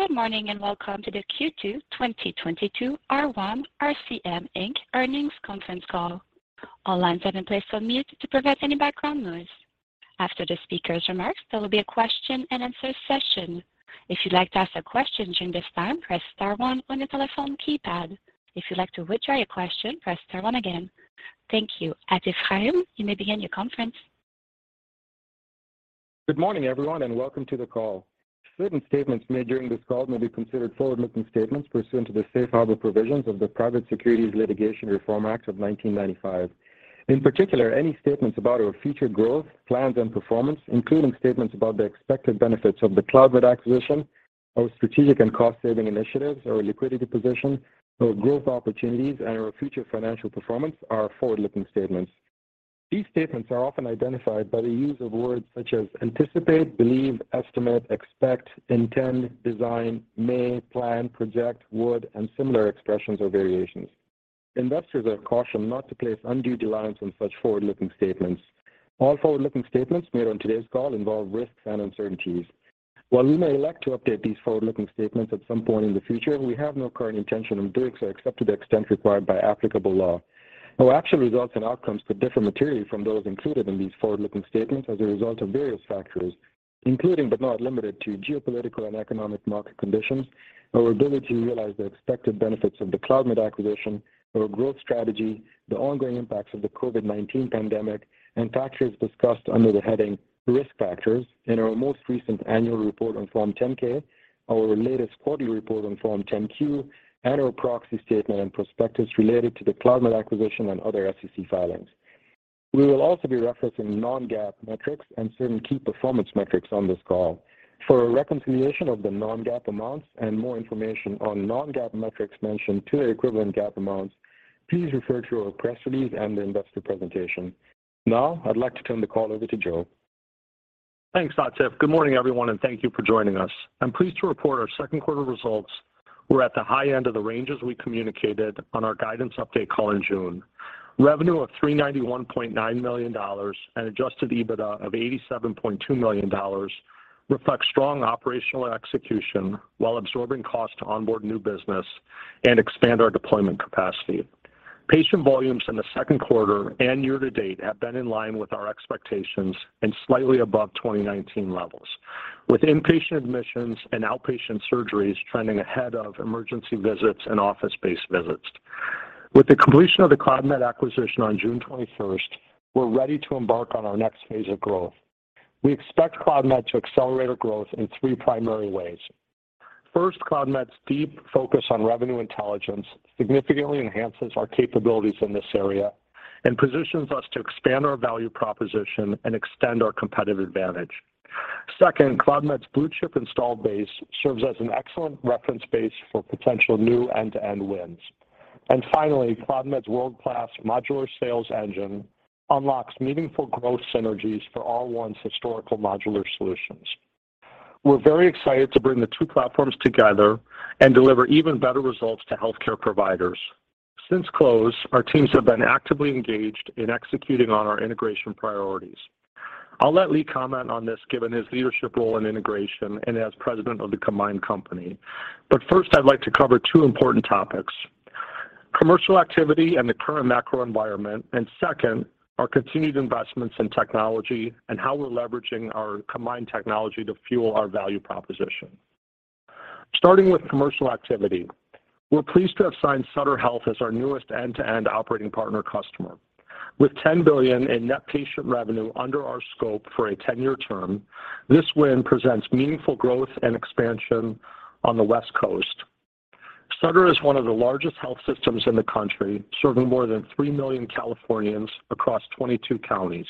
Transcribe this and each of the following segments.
Good morning, and welcome to the Q2 2022 R1 RCM Inc Earnings Conference Call. All lines have been placed on mute to prevent any background noise. After the speaker's remarks, there will be a question-and-answer session. If you'd like to ask a question during this time, press star one on your telephone keypad. If you'd like to withdraw your question, press star one again. Thank you. Atif Rahim, you may begin your conference. Good morning, everyone, and welcome to the call. Certain statements made during this call may be considered forward-looking statements pursuant to the safe harbor provisions of the Private Securities Litigation Reform Act of 1995. In particular, any statements about our future growth, plans, and performance, including statements about the expected benefits of the Cloudmed acquisition, our strategic and cost-saving initiatives, our liquidity position, our growth opportunities, and our future financial performance are forward-looking statements. These statements are often identified by the use of words such as anticipate, believe, estimate, expect, intend, design, may, plan, project, would, and similar expressions or variations. Investors are cautioned not to place undue reliance on such forward-looking statements. All forward-looking statements made on today's call involve risks and uncertainties. While we may elect to update these forward-looking statements at some point in the future, we have no current intention of doing so except to the extent required by applicable law. Our actual results and outcomes could differ materially from those included in these forward-looking statements as a result of various factors, including but not limited to geopolitical and economic market conditions, our ability to realize the expected benefits of the Cloudmed acquisition, our growth strategy, the ongoing impacts of the COVID-19 pandemic, and factors discussed under the heading Risk Factors in our most recent annual report on Form 10-K, our latest quarterly report on Form 10-Q, and our proxy statement and prospectus related to the Cloudmed acquisition and other SEC filings. We will also be referencing non-GAAP metrics and certain key performance metrics on this call. For a reconciliation of the non-GAAP amounts and more information on non-GAAP metrics mentioned and their equivalent GAAP amounts, please refer to our press release and the investor presentation. Now, I'd like to turn the call over to Joe. Thanks, Atif. Good morning, everyone, and thank you for joining us. I'm pleased to report our second quarter results were at the high end of the ranges we communicated on our guidance update call in June. Revenue of $391.9 million and Adjusted EBITDA of $87.2 million reflects strong operational execution while absorbing cost to onboard new business and expand our deployment capacity. Patient volumes in the second quarter and year-to-date have been in line with our expectations and slightly above 2019 levels, with inpatient admissions and outpatient surgeries trending ahead of emergency visits and office-based visits. With the completion of the Cloudmed acquisition on June 21st, we're ready to embark on our next phase of growth. We expect Cloudmed to accelerate our growth in three primary ways. First, Cloudmed's deep focus on Revenue Intelligence significantly enhances our capabilities in this area and positions us to expand our value proposition and extend our competitive advantage. Second, Cloudmed's blue-chip installed base serves as an excellent reference base for potential new end-to-end wins. Finally, Cloudmed's world-class modular sales engine unlocks meaningful growth synergies for R1's historical modular solutions. We're very excited to bring the two platforms together and deliver even better results to healthcare providers. Since close, our teams have been actively engaged in executing on our integration priorities. I'll let Lee comment on this, given his leadership role in integration and as president of the combined company. First, I'd like to cover two important topics, commercial activity and the current macro environment, and second, our continued investments in technology and how we're leveraging our combined technology to fuel our value proposition. Starting with commercial activity, we're pleased to have signed Sutter Health as our newest end-to-end operating partner customer. With $10 billion in net patient revenue under our scope for a 10-year term, this win presents meaningful growth and expansion on the West Coast. Sutter Health is one of the largest health systems in the country, serving more than 3 million Californians across 22 counties.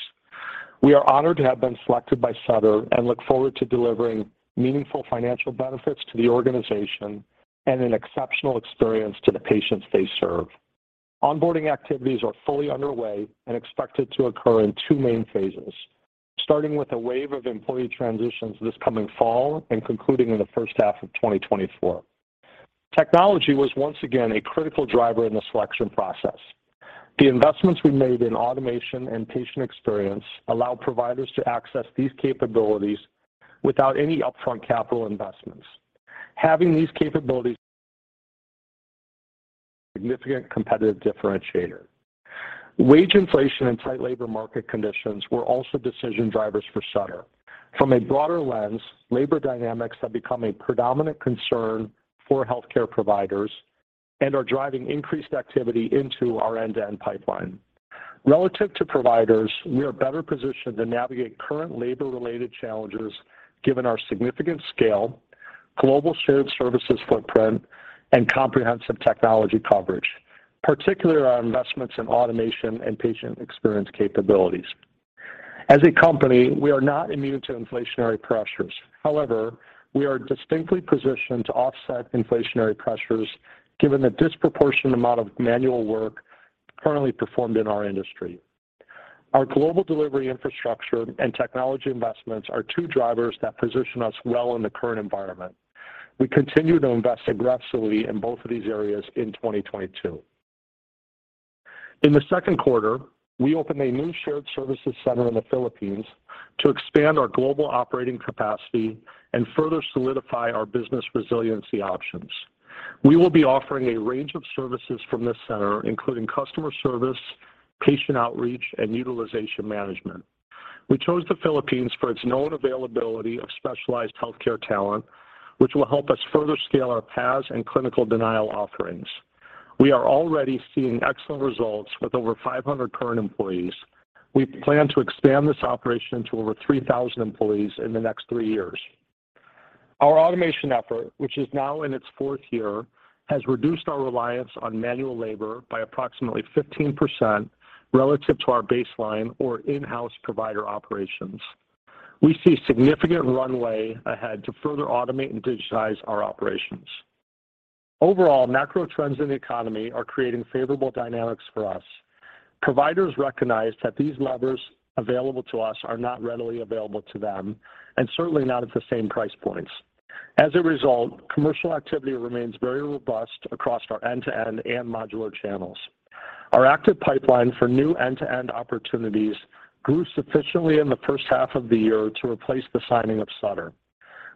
We are honored to have been selected by Sutter Health and look forward to delivering meaningful financial benefits to the organization and an exceptional experience to the patients they serve. Onboarding activities are fully underway and expected to occur in two main phases, starting with a wave of employee transitions this coming fall and concluding in the first half of 2024. Technology was once again a critical driver in the selection process. The investments we made in automation and patient experience allow providers to access these capabilities without any upfront capital investments. Having these capabilities is a significant competitive differentiator. Wage inflation and tight labor market conditions were also decision drivers for Sutter Health. From a broader lens, labor dynamics have become a predominant concern for healthcare providers and are driving increased activity into our end-to-end pipeline. Relative to providers, we are better positioned to navigate current labor-related challenges given our significant scale, global shared services footprint, and comprehensive technology coverage, particularly our investments in automation and patient experience capabilities. As a company, we are not immune to inflationary pressures. However, we are distinctly positioned to offset inflationary pressures given the disproportionate amount of manual work currently performed in our industry. Our global delivery infrastructure and technology investments are two drivers that position us well in the current environment. We continue to invest aggressively in both of these areas in 2022. In the second quarter, we opened a new shared services center in the Philippines to expand our global operating capacity and further solidify our business resiliency options. We will be offering a range of services from this center, including customer service, patient outreach, and utilization management. We chose the Philippines for its known availability of specialized healthcare talent, which will help us further scale our PAS and clinical denial offerings. We are already seeing excellent results with over 500 current employees. We plan to expand this operation to over 3,000 employees in the next three years. Our automation effort, which is now in its fourth year, has reduced our reliance on manual labor by approximately 15% relative to our baseline for in-house provider operations. We see significant runway ahead to further automate and digitize our operations. Overall, macro trends in the economy are creating favorable dynamics for us. Providers recognize that these levers available to us are not readily available to them, and certainly not at the same price points. As a result, commercial activity remains very robust across our end-to-end and modular channels. Our active pipeline for new end-to-end opportunities grew sufficiently in the first half of the year to replace the signing of Sutter.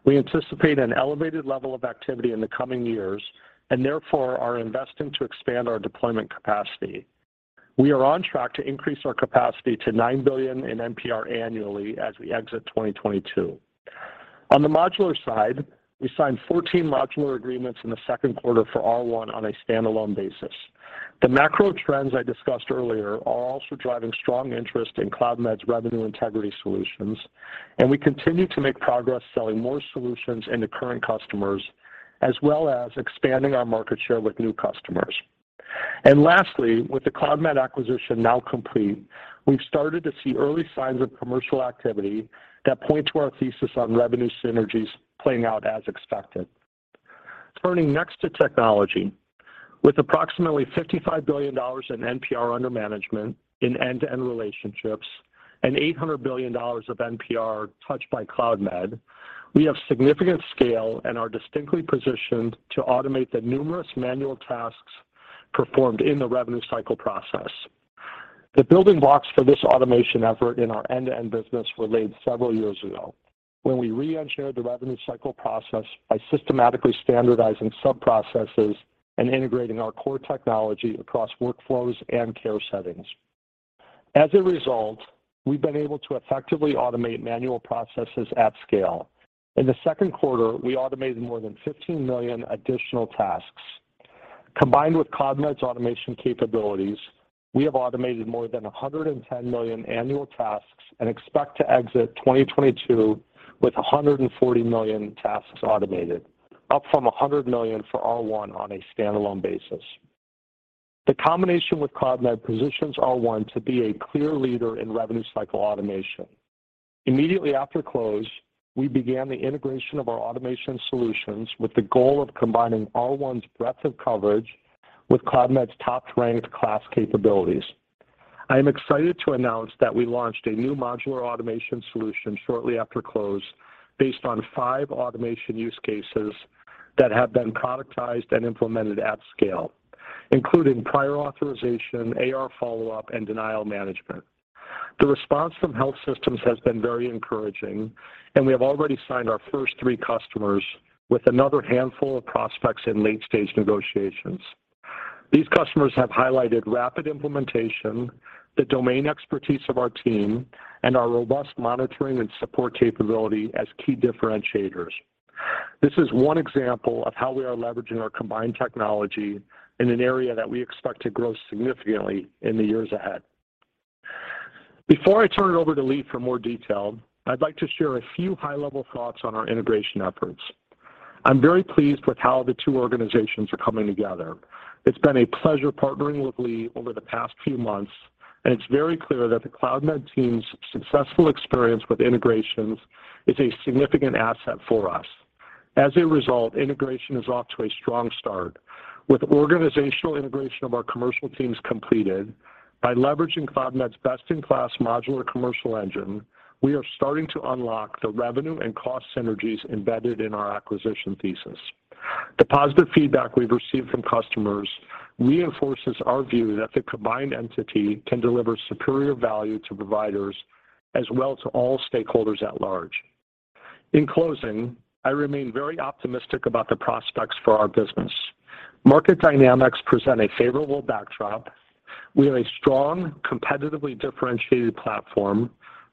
We anticipate an elevated level of activity in the coming years and therefore are investing to expand our deployment capacity. We are on track to increase our capacity to $9 billion in NPR annually as we exit 2022. On the modular side, we signed 14 modular agreements in the second quarter for R1 on a standalone basis. The macro trends I discussed earlier are also driving strong interest in Cloudmed's Revenue Integrity solutions, and we continue to make progress selling more solutions into current customers, as well as expanding our market share with new customers. Lastly, with the Cloudmed acquisition now complete, we've started to see early signs of commercial activity that point to our thesis on revenue synergies playing out as expected. Turning next to technology. With approximately $55 billion in NPR under management in end-to-end relationships and $800 billion of NPR touched by Cloudmed, we have significant scale and are distinctly positioned to automate the numerous manual tasks performed in the Revenue Cycle process. The building blocks for this automation effort in our end-to-end business were laid several years ago when we re-engineered the Revenue Cycle process by systematically standardizing sub-processes and integrating our core technology across workflows and care settings. As a result, we've been able to effectively automate manual processes at scale. In the second quarter, we automated more than 15 million additional tasks. Combined with Cloudmed's automation capabilities, we have automated more than 110 million annual tasks and expect to exit 2022 with 140 million tasks automated, up from 100 million for R1 on a standalone basis. The combination with Cloudmed positions R1 to be a clear leader in Revenue Cycle automation. Immediately after close, we began the integration of our automation solutions with the goal of combining R1's breadth of coverage with Cloudmed's top-ranked KLAS capabilities. I am excited to announce that we launched a new modular automation solution shortly after close based on five automation use cases that have been productized and implemented at scale, including prior authorization, AR follow-up, and denial management. The response from health systems has been very encouraging, and we have already signed our first three customers with another handful of prospects in late stage negotiations. These customers have highlighted rapid implementation, the domain expertise of our team, and our robust monitoring and support capability as key differentiators. This is one example of how we are leveraging our combined technology in an area that we expect to grow significantly in the years ahead. Before I turn it over to Lee for more detail, I'd like to share a few high-level thoughts on our integration efforts. I'm very pleased with how the two organizations are coming together. It's been a pleasure partnering with Lee over the past few months, and it's very clear that the Cloudmed team's successful experience with integrations is a significant asset for us. As a result, integration is off to a strong start. With organizational integration of our commercial teams completed by leveraging Cloudmed's best-in-class modular commercial engine, we are starting to unlock the revenue and cost synergies embedded in our acquisition thesis. The positive feedback we've received from customers reinforces our view that the combined entity can deliver superior value to providers as well to all stakeholders at large. In closing, I remain very optimistic about the prospects for our business. Market dynamics present a favorable backdrop. We have a strong, competitively differentiated platform.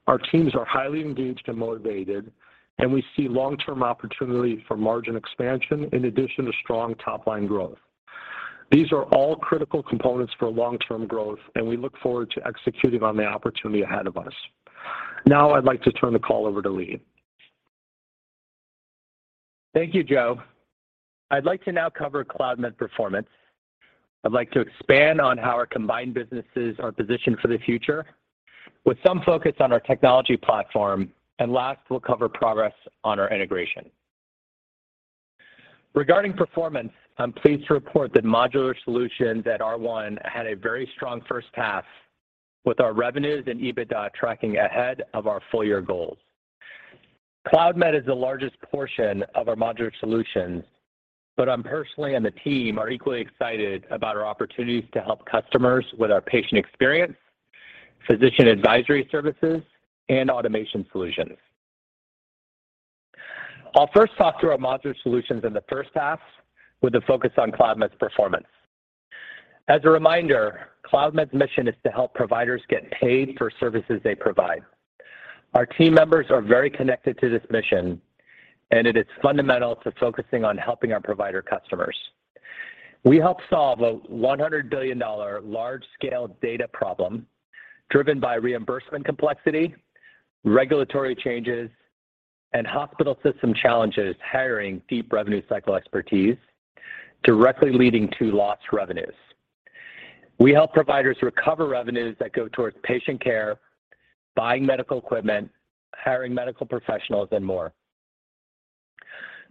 Our teams are highly engaged and motivated, and we see long-term opportunity for margin expansion in addition to strong top-line growth. These are all critical components for long-term growth, and we look forward to executing on the opportunity ahead of us. Now I'd like to turn the call over to Lee. Thank you, Joe. I'd like to now cover Cloudmed performance. I'd like to expand on how our combined businesses are positioned for the future with some focus on our technology platform. Last, we'll cover progress on our integration. Regarding performance, I'm pleased to report that modular solutions at R1 had a very strong first half with our revenues and EBITDA tracking ahead of our full-year goals. Cloudmed is the largest portion of our modular solutions, but I'm personally and the team are equally excited about our opportunities to help customers with our patient experience, Physician Advisory Services, and automation solutions. I'll first talk through our modular solutions in the first half with a focus on Cloudmed's performance. As a reminder, Cloudmed's mission is to help providers get paid for services they provide. Our team members are very connected to this mission, and it is fundamental to focusing on helping our provider customers. We help solve a $100 billion large-scale data problem driven by reimbursement complexity, regulatory changes, and hospital system challenges hiring deep Revenue Cycle expertise directly leading to lost revenues. We help providers recover revenues that go towards patient care, buying medical equipment, hiring medical professionals, and more.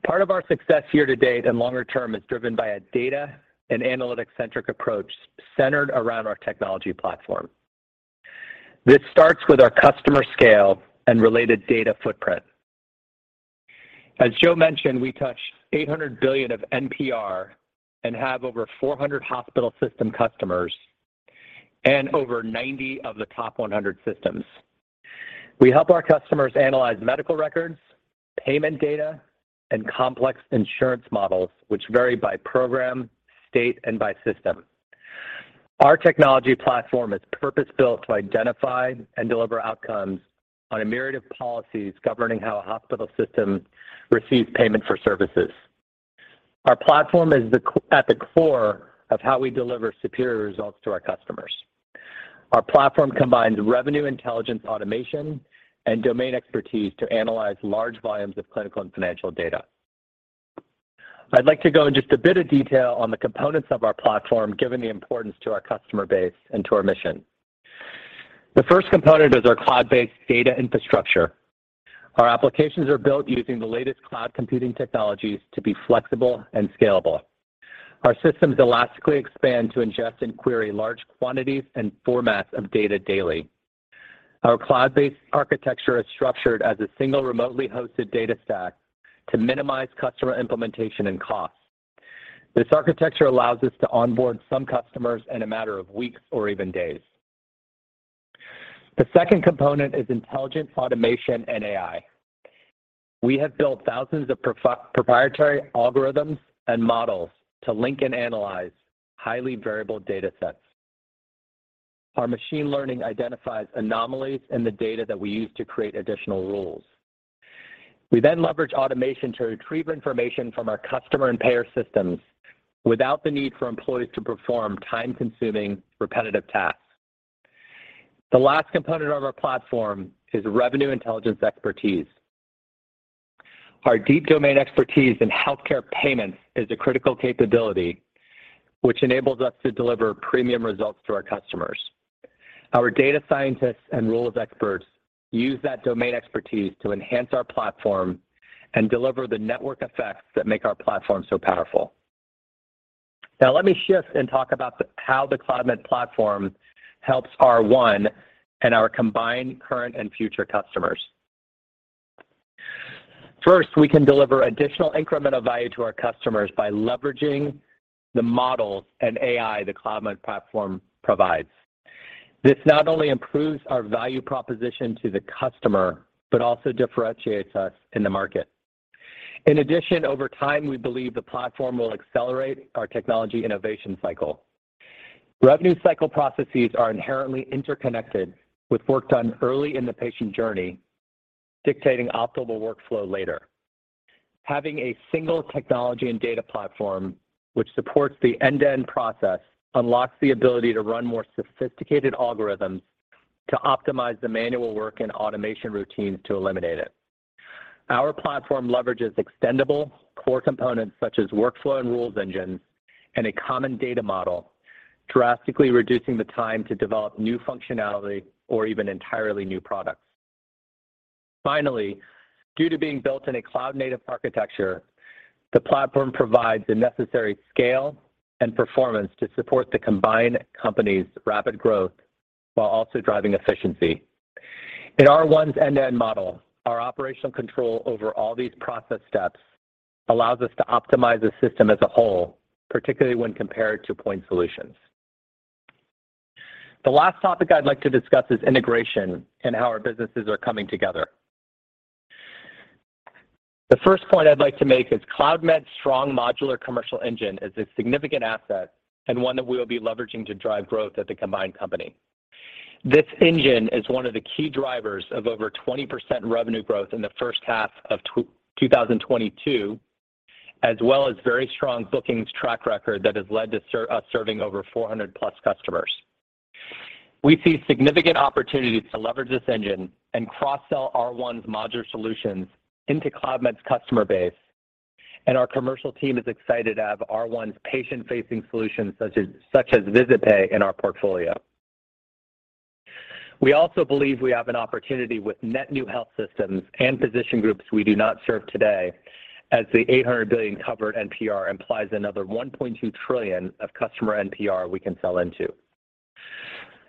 Part of our success here to date and longer term is driven by a data and analytic-centric approach centered around our technology platform. This starts with our customer scale and related data footprint. As Joe mentioned, we touch $800 billion of NPR and have over 400 hospital system customers and over 90 of the top 100 systems. We help our customers analyze medical records, payment data, and complex insurance models, which vary by program, state, and by system. Our technology platform is purpose-built to identify and deliver outcomes on a myriad of policies governing how a hospital system receives payment for services. Our platform is at the core of how we deliver superior results to our customers. Our platform combines Revenue Intelligence automation and domain expertise to analyze large volumes of clinical and financial data. I'd like to go in just a bit of detail on the components of our platform, given the importance to our customer base and to our mission. The first component is our cloud-based data infrastructure. Our applications are built using the latest cloud computing technologies to be flexible and scalable. Our systems elastically expand to ingest and query large quantities and formats of data daily. Our cloud-based architecture is structured as a single remotely hosted data stack to minimize customer implementation and costs. This architecture allows us to onboard some customers in a matter of weeks or even days. The second component is intelligent automation and AI. We have built thousands of proprietary algorithms and models to link and analyze highly variable datasets. Our machine learning identifies anomalies in the data that we use to create additional rules. We then leverage automation to retrieve information from our customer and payer systems without the need for employees to perform time-consuming, repetitive tasks. The last component of our platform is Revenue Intelligence expertise. Our deep domain expertise in healthcare payments is a critical capability which enables us to deliver premium results to our customers. Our data scientists and rules experts use that domain expertise to enhance our platform and deliver the network effects that make our platform so powerful. Now let me shift and talk about how the Cloudmed platform helps R1 and our combined current and future customers. First, we can deliver additional incremental value to our customers by leveraging the models and AI the Cloudmed platform provides. This not only improves our value proposition to the customer, but also differentiates us in the market. In addition, over time, we believe the platform will accelerate our technology innovation cycle. Revenue Cycle processes are inherently interconnected with work done early in the patient journey, dictating optimal workflow later. Having a single technology and data platform which supports the end-to-end process unlocks the ability to run more sophisticated algorithms to optimize the manual work and automation routines to eliminate it. Our platform leverages extendable core components such as workflow and rules engines and a common data model, drastically reducing the time to develop new functionality or even entirely new products. Finally, due to being built in a cloud-native architecture, the platform provides the necessary scale and performance to support the combined company's rapid growth while also driving efficiency. In R1's end-to-end model, our operational control over all these process steps allows us to optimize the system as a whole, particularly when compared to point solutions. The last topic I'd like to discuss is integration and how our businesses are coming together. The first point I'd like to make is Cloudmed's strong modular commercial engine is a significant asset and one that we will be leveraging to drive growth at the combined company. This engine is one of the key drivers of over 20% revenue growth in the first half of 2022, as well as very strong bookings track record that has led to us serving over 400+ customers. We see significant opportunities to leverage this engine and cross-sell R1's modular solutions into Cloudmed's customer base, and our commercial team is excited to have R1's patient-facing solutions such as VisitPay in our portfolio. We also believe we have an opportunity with net new health systems and physician groups we do not serve today, as the $800 billion covered NPR implies another $1.2 trillion of customer NPR we can sell into.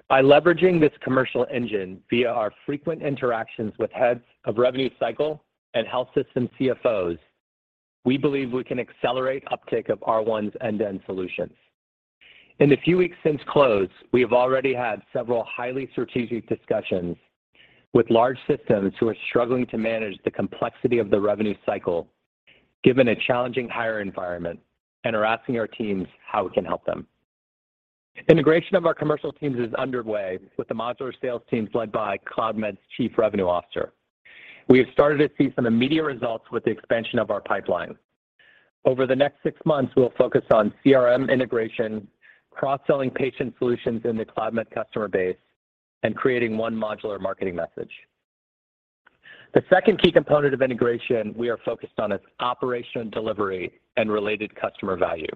By leveraging this commercial engine via our frequent interactions with heads of Revenue Cycle and health system CFOs, we believe we can accelerate uptake of R1's end-to-end solutions. In the few weeks since close, we have already had several highly strategic discussions with large systems who are struggling to manage the complexity of the Revenue Cycle, given a challenging hiring environment and are asking our teams how we can help them. Integration of our commercial teams is underway with the Modular sales teams led by Cloudmed's Chief Revenue Officer. We have started to see some immediate results with the expansion of our pipeline. Over the next six months, we'll focus on CRM integration, cross-selling patient solutions in the Cloudmed customer base, and creating one Modular marketing message. The second key component of integration we are focused on is operational delivery and related customer value.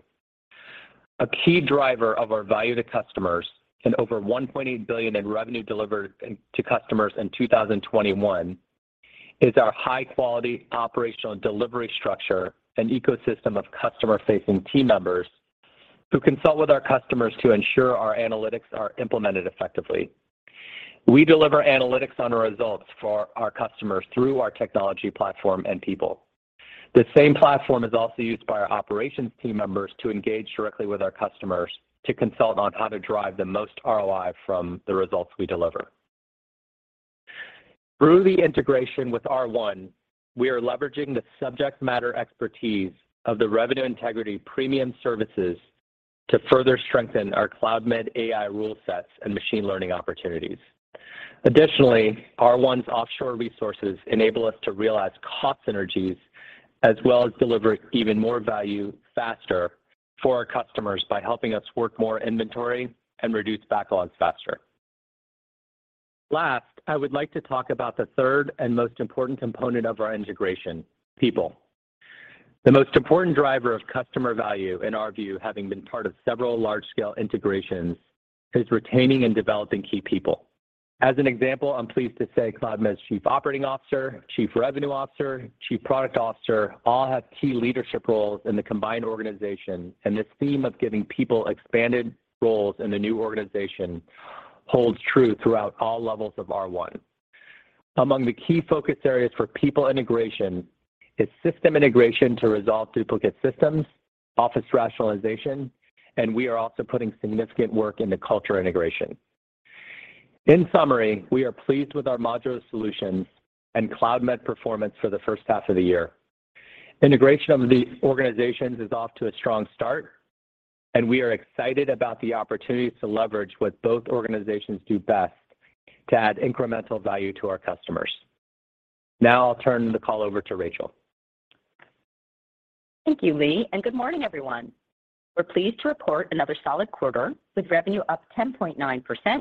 A key driver of our value to customers and over $1.8 billion in revenue delivered to customers in 2021 is our high-quality operational delivery structure and ecosystem of customer-facing team members who consult with our customers to ensure our analytics are implemented effectively. We deliver analytics on results for our customers through our technology platform and people. The same platform is also used by our operations team members to engage directly with our customers to consult on how to drive the most ROI from the results we deliver. Through the integration with R1, we are leveraging the subject matter expertise of the Revenue Integrity premium services to further strengthen our Cloudmed AI rule sets and machine learning opportunities. Additionally, R1's offshore resources enable us to realize cost synergies as well as deliver even more value faster for our customers by helping us work more inventory and reduce backlogs faster. Last, I would like to talk about the third and most important component of our integration, people. The most important driver of customer value, in our view, having been part of several large-scale integrations, is retaining and developing key people. As an example, I'm pleased to say Cloudmed's Chief Operating Officer, Chief Revenue Officer, Chief Product Officer, all have key leadership roles in the combined organization, and this theme of giving people expanded roles in the new organization holds true throughout all levels of R1. Among the key focus areas for people integration is system integration to resolve duplicate systems, office rationalization, and we are also putting significant work into culture integration. In summary, we are pleased with our Modular solutions and Cloudmed performance for the first half of the year. Integration of the organizations is off to a strong start, and we are excited about the opportunities to leverage what both organizations do best to add incremental value to our customers. Now I'll turn the call over to Rachel. Thank you, Lee, and good morning, everyone. We're pleased to report another solid quarter with revenue up 10.9%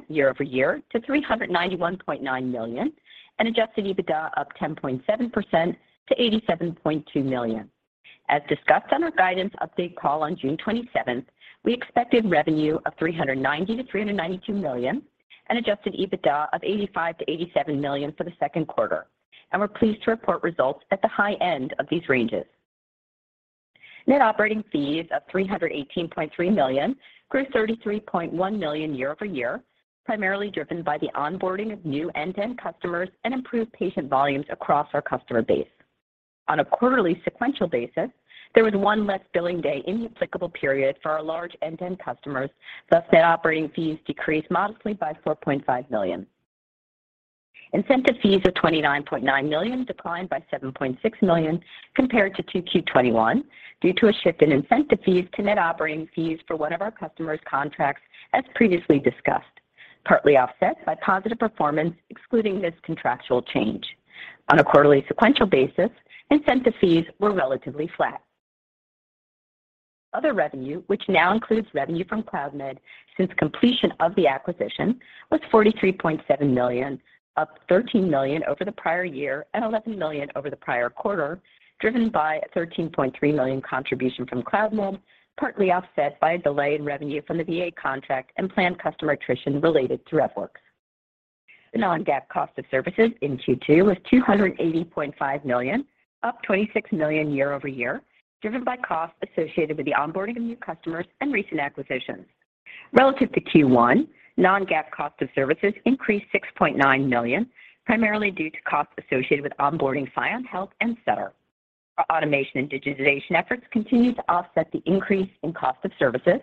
year-over-year to $391.9 million and Adjusted EBITDA up 10.7% to $87.2 million. As discussed on our guidance update call on June 27th, we expected revenue of $390 to $392 million and Adjusted EBITDA of $85-$87 million for the second quarter, and we're pleased to report results at the high end of these ranges. Net operating fees of $318.3 million grew $33.1 million year-over-year, primarily driven by the onboarding of new end-to-end customers and improved patient volumes across our customer base. On a quarterly sequential basis, there was one less billing day in the applicable period for our large end-to-end customers. Thus, net operating fees decreased modestly by $4.5 million. Incentive fees of $29.9 million declined by $7.6 million compared to Q2 2021 due to a shift in incentive fees to net operating fees for one of our customers' contracts, as previously discussed, partly offset by positive performance excluding this contractual change. On a quarterly sequential basis, incentive fees were relatively flat. Other revenue, which now includes revenue from Cloudmed since completion of the acquisition, was $43.7 million, up $13 million over the prior-year and $11 million over the prior quarter, driven by a $13.3 million contribution from Cloudmed, partly offset by a delay in revenue from the VA contract and planned customer attrition related to RevWorks. The non-GAAP cost of services in Q2 was $280.5 million, up $26 million year-over-year, driven by costs associated with the onboarding of new customers and recent acquisitions. Relative to Q1, non-GAAP cost of services increased $6.9 million, primarily due to costs associated with onboarding ScionHealth and Sutter Health. Our automation and digitization efforts continue to offset the increase in cost of services,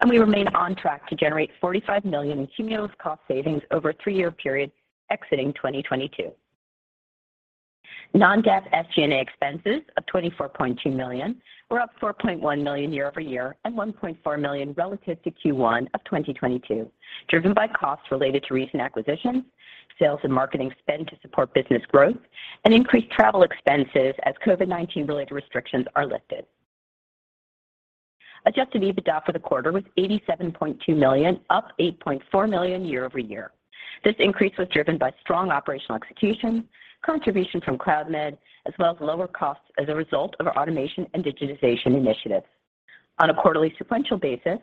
and we remain on track to generate $45 million in cumulative cost savings over a three-year period exiting 2022. Non-GAAP SG&A expenses of $24.2 million were up $4.1 million year-over-year and $1.4 million relative to Q1 of 2022, driven by costs related to recent acquisitions, sales and marketing spend to support business growth, and increased travel expenses as COVID-19 related restrictions are lifted. Adjusted EBITDA for the quarter was $87.2 million, up $8.4 million year-over-year. This increase was driven by strong operational execution, contribution from Cloudmed, as well as lower costs as a result of our automation and digitization initiatives. On a quarterly sequential basis,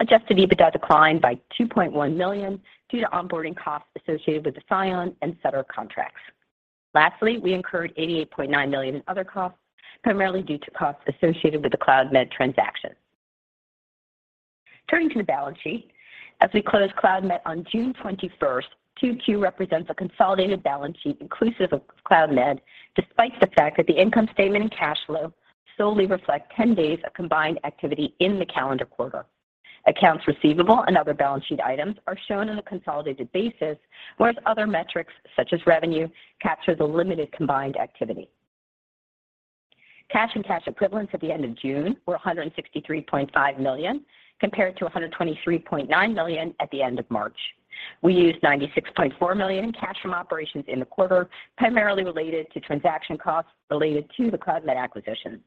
Adjusted EBITDA declined by $2.1 million due to onboarding costs associated with the ScionHealth and Sutter Health contracts. Lastly, we incurred $88.9 million in other costs, primarily due to costs associated with the Cloudmed transaction. Turning to the balance sheet. As we closed Cloudmed on June 21st, Q2 represents a consolidated balance sheet inclusive of Cloudmed, despite the fact that the income statement and cash flow solely reflect 10 days of combined activity in the calendar quarter. Accounts receivable and other balance sheet items are shown on a consolidated basis, whereas other metrics, such as revenue, capture the limited combined activity. Cash and cash equivalents at the end of June were $163.5 million, compared to $123.9 million at the end of March. We used $96.4 million in cash from operations in the quarter, primarily related to transaction costs related to the Cloudmed acquisition.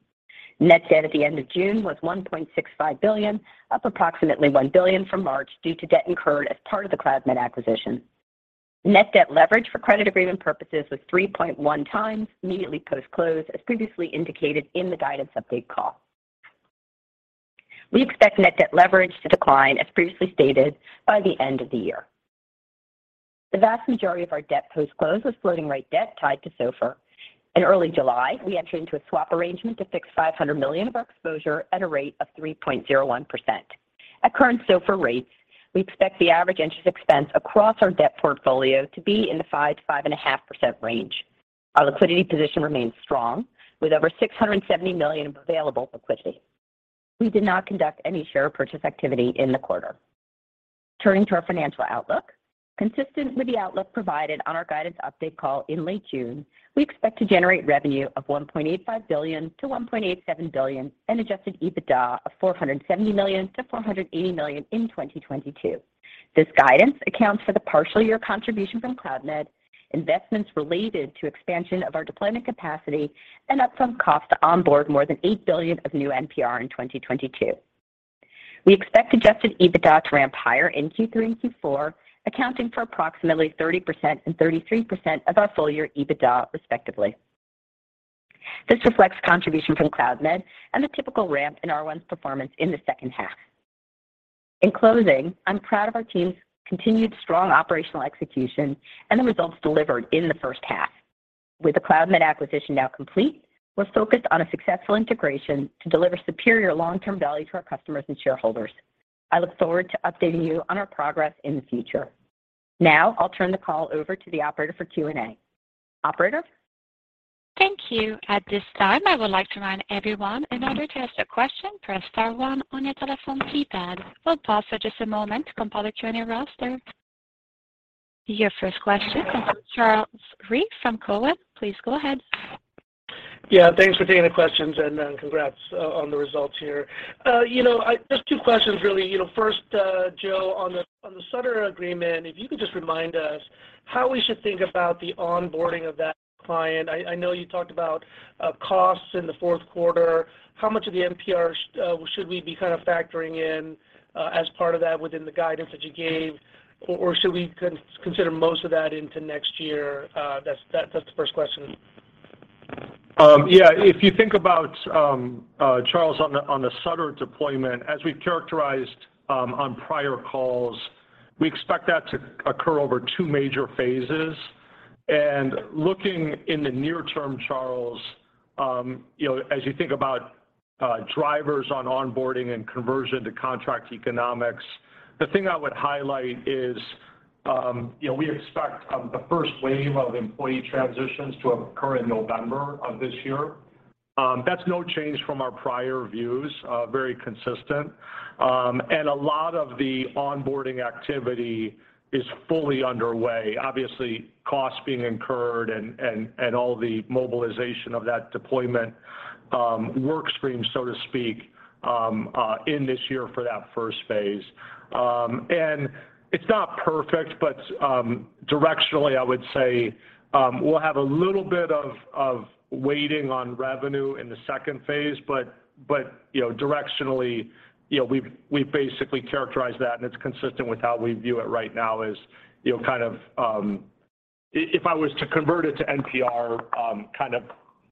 Net debt at the end of June was $1.65 billion, up approximately $1 billion from March due to debt incurred as part of the Cloudmed acquisition. Net debt leverage for credit agreement purposes was 3.1x immediately post-close, as previously indicated in the guidance update call. We expect net debt leverage to decline, as previously stated, by the end of the year. The vast majority of our debt post-close was floating-rate debt tied to SOFR. In early July, we entered into a swap arrangement to fix $500 million of our exposure at a rate of 3.01%. At current SOFR rates, we expect the average interest expense across our debt portfolio to be in the 5% to 5.5% range. Our liquidity position remains strong, with over $670 million available for liquidity. We did not conduct any share purchase activity in the quarter. Turning to our financial outlook. Consistent with the outlook provided on our guidance update call in late June, we expect to generate revenue of $1.85 billion to $1.87 billion and Adjusted EBITDA of $470 million to $480 million in 2022. This guidance accounts for the partial year contribution from Cloudmed, investments related to expansion of our deployment capacity, and upfront cost to onboard more than $8 billion of new NPR in 2022. We expect Adjusted EBITDA to ramp higher in Q3 and Q4, accounting for approximately 30% and 33% of our full-year EBITDA respectively. This reflects contribution from Cloudmed and the typical ramp in R1's performance in the second half. In closing, I'm proud of our team's continued strong operational execution and the results delivered in the first half. With the Cloudmed acquisition now complete, we're focused on a successful integration to deliver superior long-term value to our customers and shareholders. I look forward to updating you on our progress in the future. Now, I'll turn the call over to the operator for Q&A. Operator? Thank you. At this time, I would like to remind everyone, in order to ask a question, press star one on your telephone keypad. We'll pause for just a moment to compile the attendee roster. Your first question comes from Charles Rhyee from Cowen. Please go ahead. Yeah. Thanks for taking the questions and, congrats on the results here. You know, just two questions, really. You know, first, Joe, on the Sutter agreement, if you could just remind us how we should think about the onboarding of that client. I know you talked about costs in the fourth quarter. How much of the NPR should we be kind of factoring in as part of that within the guidance that you gave, or should we consider most of that into next year? That's the first question. Yeah, if you think about, Charles, on the Sutter deployment, as we've characterized on prior calls, we expect that to occur over two major phases. Looking in the near term, Charles, you know, as you think about drivers on onboarding and conversion to contract economics, the thing I would highlight is, you know, we expect the first wave of employee transitions to occur in November of this year. That's no change from our prior views, very consistent. A lot of the onboarding activity is fully underway, obviously, costs being incurred and all the mobilization of that deployment work stream, so to speak, in this year for that first phase. It's not perfect, but directionally, I would say we'll have a little bit of waiting on revenue in the second phase. But you know, directionally, you know, we basically characterize that, and it's consistent with how we view it right now is, you know, kind of. If I was to convert it to NPR, kind of,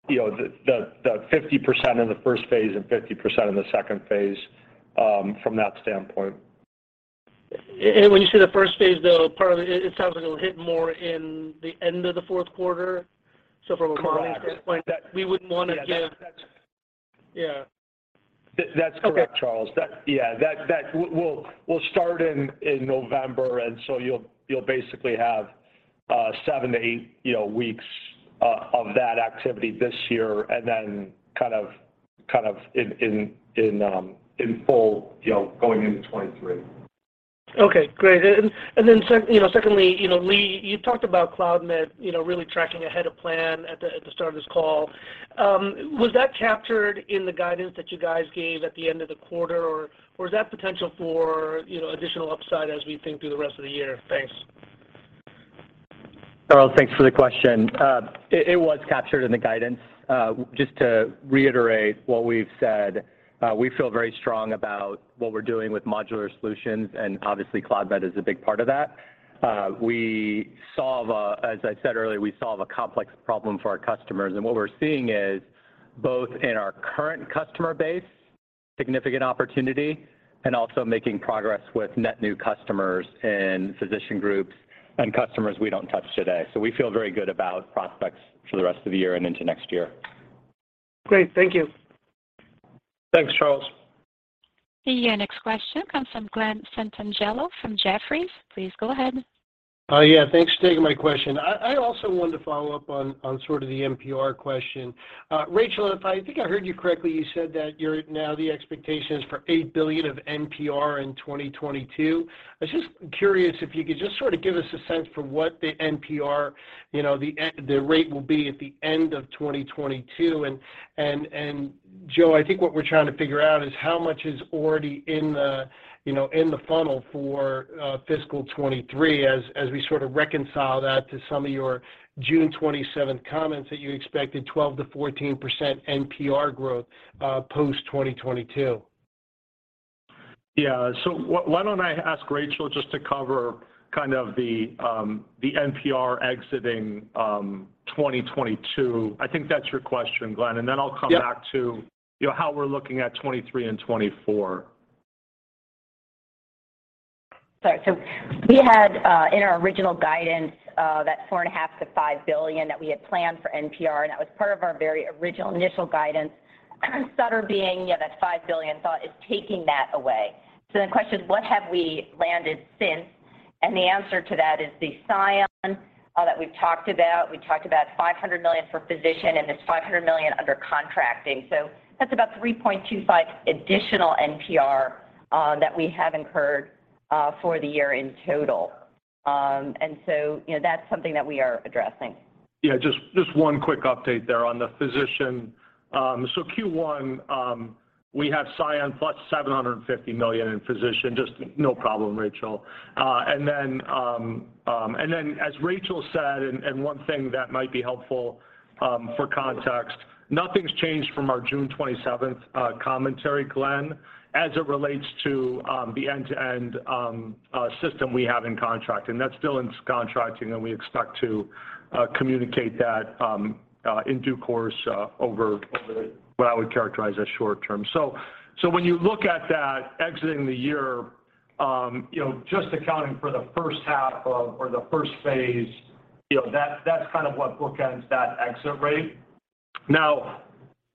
you know, the 50% in the first phase and 50% in the second phase, from that standpoint. When you say the first phase, though, part of it sounds like it'll hit more in the end of the fourth quarter. From a modeling standpoint, we wouldn't wanna give— Yeah, that's. Yeah. That's correct, Charles. Okay. We'll start in November, so you'll basically have seven to eight, you know, weeks of that activity this year, and then kind of in full, you know, going into 2023. Okay, great. Secondly, you know, Lee, you talked about Cloudmed, you know, really tracking ahead of plan at the start of this call. Was that captured in the guidance that you guys gave at the end of the quarter, or is that potential for, you know, additional upside as we think through the rest of the year? Thanks. Charles, thanks for the question. It was captured in the guidance. Just to reiterate what we've said, we feel very strong about what we're doing with modular solutions, and obviously, Cloudmed is a big part of that. As I said earlier, we solve a complex problem for our customers. What we're seeing is, both in our current customer base significant opportunity and also making progress with net new customers and physician groups and customers we don't touch today. We feel very good about prospects for the rest of the year and into next year. Great. Thank you. Thanks, Charles. Your next question comes from Glen Santangelo from Jefferies. Please go ahead. Thanks for taking my question. I also wanted to follow up on sort of the NPR question. Rachel, if I think I heard you correctly, you said that your expectations now are for $8 billion of NPR in 2022. I was just curious if you could just sort of give us a sense for what the NPR, you know, the rate will be at the end of 2022. Joe, I think what we're trying to figure out is how much is already in the, you know, in the funnel for fiscal 2023 as we sort of reconcile that to some of your June 27th comments that you expected 12% to 14% NPR growth post 2022. Why don't I ask Rachel just to cover kind of the NPR exit in 2022. I think that's your question, Glenn. Yep. I'll come back to, you know, how we're looking at 2023 and 2024. Sorry. We had in our original guidance that $4.5 billion to $5 billion that we had planned for NPR, and that was part of our very original initial guidance. Sutter Health being, you know, that $5 billion thought is taking that away. The question is, what have we landed since? The answer to that is the ScionHealth that we've talked about. We talked about $500 million for physician and this $500 million under contracting. That's about $3.25 billion additional NPR that we have incurred for the year in total. You know, that's something that we are addressing. Yeah, just one quick update there on the physician. So Q1, we have ScionHealth plus $750 million in physician. Just no problem, Rachel. As Rachel said, one thing that might be helpful for context, nothing's changed from our June 27th commentary, Glenn, as it relates to the end-to-end system we have in contract, and that's still in sub-contracting, and we expect to communicate that in due course over what I would characterize as short term. When you look at that exiting the year, you know, just accounting for the first phase, you know, that's kind of what bookends that exit rate. Now,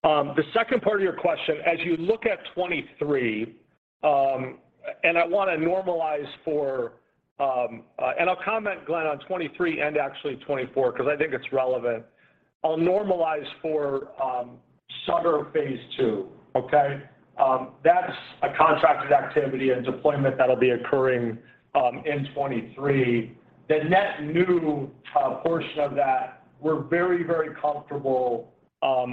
the second part of your question, as you look at 2023, I'll comment, Glenn, on 2023 and actually 2024 because I think it's relevant. I'll normalize for Sutter phase two, okay. That's a contracted activity and deployment that'll be occurring in 2023. The net new portion of that, we're very, very comfortable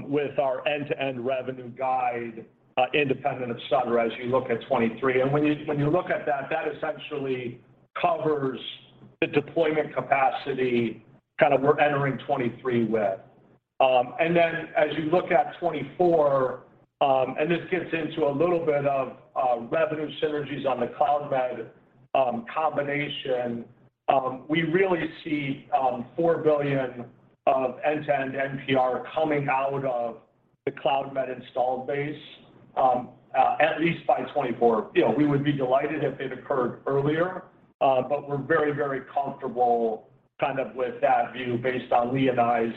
with our end-to-end revenue guide independent of Sutter as you look at 2023. When you look at that essentially covers the deployment capacity kind of we're entering 2023 with. As you look at 2024, this gets into a little bit of revenue synergies on the Cloudmed combination. We really see $4 billion of end-to-end NPR coming out of the Cloudmed installed base at least by 2024. You know, we would be delighted if it occurred earlier, but we're very, very comfortable kind of with that view based on Lee and I's,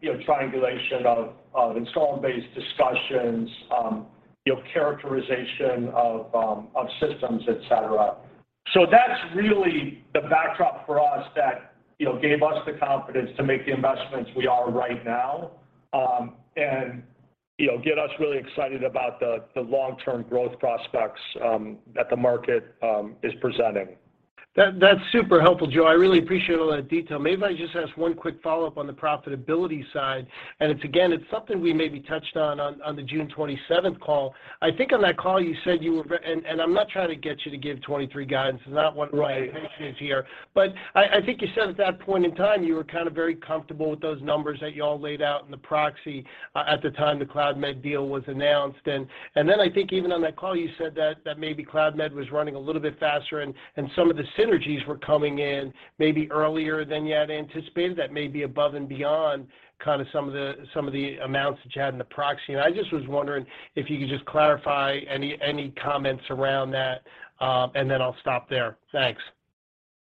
you know, triangulation of installed base discussions, you know, characterization of systems, etc. So that's really the backdrop for us that, you know, gave us the confidence to make the investments we are right now, and, you know, get us really excited about the long-term growth prospects that the market is presenting. That's super helpful, Joe. I really appreciate all that detail. Maybe if I just ask one quick follow-up on the profitability side, and it's, again, it's something we maybe touched on the June 27th call. I think on that call you said you were and I'm not trying to get you to give 2023 guidance. It's not what— Right. I think you said at that point in time, you were kind of very comfortable with those numbers that y'all laid out in the proxy at the time the Cloudmed deal was announced. Then I think even on that call, you said that maybe Cloudmed was running a little bit faster and some of the synergies were coming in maybe earlier than you had anticipated that may be above and beyond kind of some of the amounts that you had in the proxy. I just was wondering if you could just clarify any comments around that, and then I'll stop there. Thanks.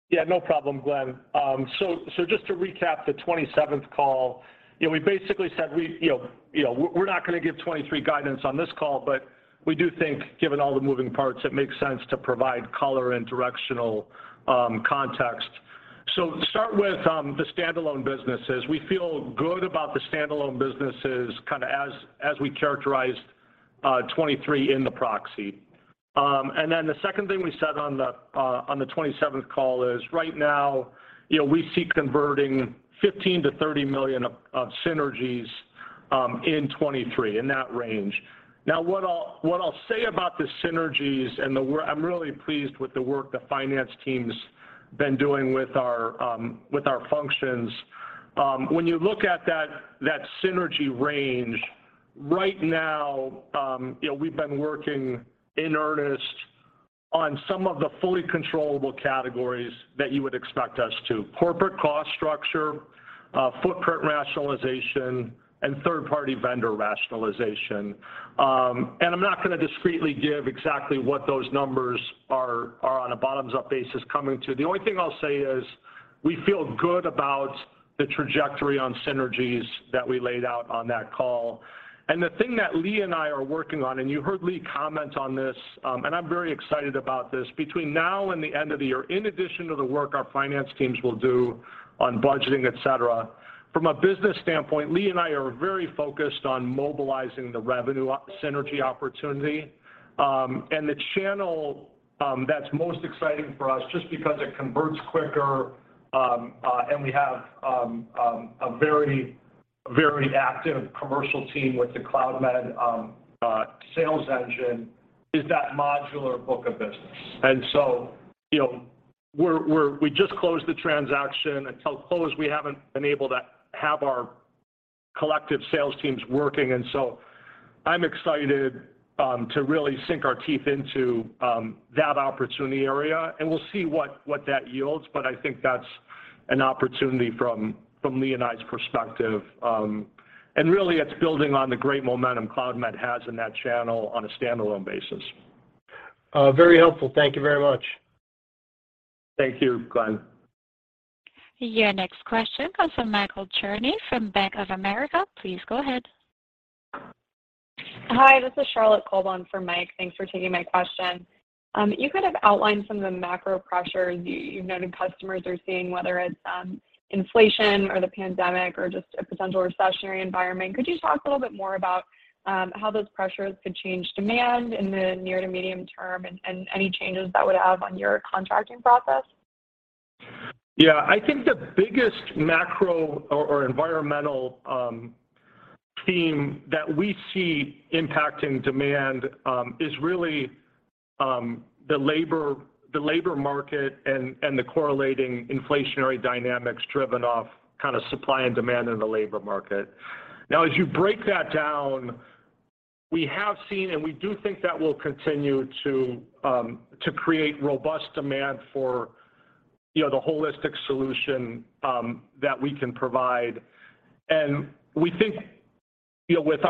Yeah, no problem, Glenn. Just to recap the 27th call, you know, we basically said we're not gonna give 2023 guidance on this call, but we do think given all the moving parts, it makes sense to provide color and directional context. Start with the standalone businesses. We feel good about the standalone businesses kinda as we characterized 2023 in the proxy. Then the second thing we said on the 27th call is right now, you know, we seek converting $15 million to $30 million of synergies in 2023, in that range. Now, what I'll say about the synergies and I'm really pleased with the work the finance team's been doing with our functions. When you look at that synergy range, right now, you know, we've been working in earnest on some of the fully controllable categories that you would expect us to. Corporate cost structure, footprint rationalization, and third-party vendor rationalization. I'm not gonna disclose exactly what those numbers are on a bottoms-up basis coming to. The only thing I'll say is we feel good about the trajectory on synergies that we laid out on that call. The thing that Lee and I are working on, and you heard Lee comment on this, and I'm very excited about this. Between now and the end of the year, in addition to the work our finance teams will do on budgeting, et cetera, from a business standpoint, Lee and I are very focused on mobilizing the revenue synergy opportunity. The channel that's most exciting for us, just because it converts quicker, and we have a very active commercial team with the Cloudmed sales engine, is that modular book of business. You know, we just closed the transaction. Until close, we haven't been able to have our collective sales teams working. I'm excited to really sink our teeth into that opportunity area, and we'll see what that yields, but I think that's an opportunity from Lee and I's perspective. Really it's building on the great momentum Cloudmed has in that channel on a standalone basis. Very helpful. Thank you very much. Thank you, Glenn. Your next question comes from Michael Cherny from Bank of America. Please go ahead. Hi, this is Charlotte Kolb on for Mike. Thanks for taking my question. You kind of outlined some of the macro pressures you've noted customers are seeing, whether it's inflation or the pandemic or just a potential recessionary environment. Could you talk a little bit more about how those pressures could change demand in the near to medium term and any changes that would have on your contracting process? Yeah. I think the biggest macro or environmental theme that we see impacting demand is really the labor market and the correlating inflationary dynamics driven by kind of supply and demand in the labor market. Now, as you break that down, we have seen, and we do think that will continue to create robust demand for, you know, the holistic solution that we can provide. We think, you know, with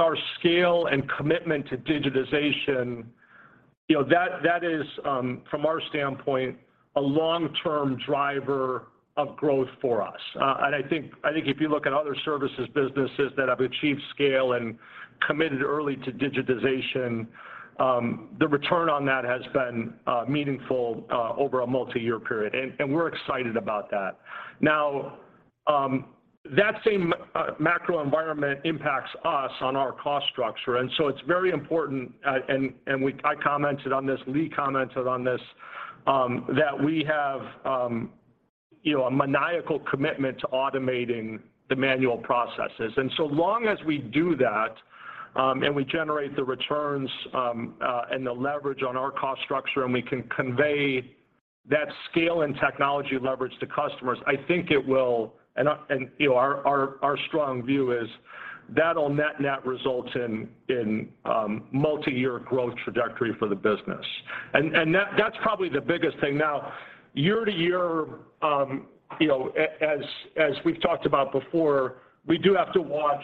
our scale and commitment to digitization, you know, that is from our standpoint, a long-term driver of growth for us. I think if you look at other services businesses that have achieved scale and committed early to digitization, the return on that has been meaningful over a multi-year period. We're excited about that. Now, that same macro environment impacts us on our cost structure, and so it's very important, and I commented on this, Lee commented on this, that we have, you know, a maniacal commitment to automating the manual processes. So long as we do that, and we generate the returns, and the leverage on our cost structure, and we can convey that scale and technology leverage to customers, I think it will. I, you know, our strong view is that on net-net it results in multi-year growth trajectory for the business. And that's probably the biggest thing. Now, year-to-year, you know, as we've talked about before, we do have to watch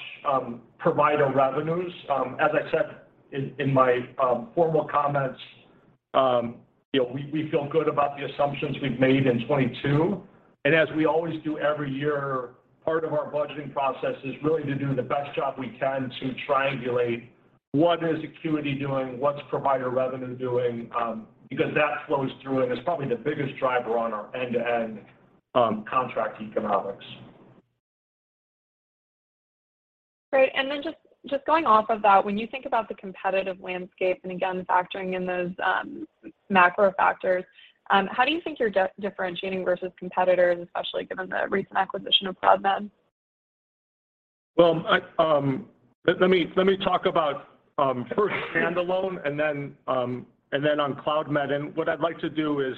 provider revenues. As I said in my formal comments, you know, we feel good about the assumptions we've made in 2022. As we always do every year, part of our budgeting process is really to do the best job we can to triangulate what Acuity is doing, what's provider revenue doing, because that flows through and is probably the biggest driver on our end-to-end contract economics. Great. Just going off of that, when you think about the competitive landscape, and again, factoring in those, macro factors, how do you think you're differentiating versus competitors, especially given the recent acquisition of Cloudmed? Well, let me talk about first standalone and then on Cloudmed. What I'd like to do is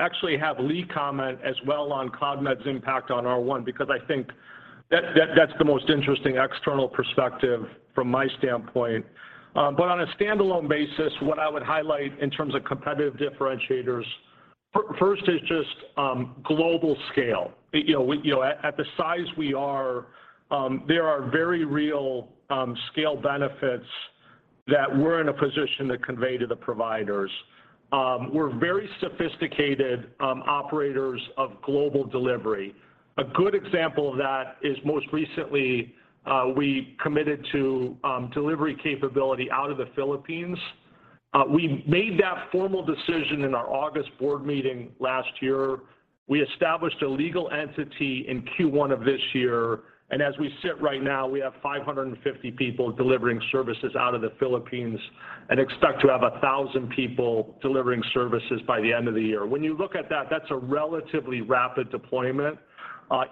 actually have Lee comment as well on Cloudmed's impact on R1, because I think that's the most interesting external perspective from my standpoint. On a standalone basis, what I would highlight in terms of competitive differentiators first is just global scale. You know, we, you know, at the size we are, there are very real scale benefits that we're in a position to convey to the providers. We're very sophisticated operators of global delivery. A good example of that is most recently we committed to delivery capability out of the Philippines. We made that formal decision in our August board meeting last year. We established a legal entity in Q1 of this year, and as we sit right now, we have 550 people delivering services out of the Philippines and expect to have 1,000 people delivering services by the end of the year. When you look at that's a relatively rapid deployment